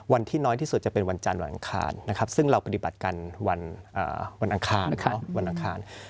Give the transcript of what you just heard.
วันที่น้อยที่สุดจะเป็นวันจันทร์วันอังคารนะครับซึ่งเราปฏิบัติกันวันอังคารวันอังคาร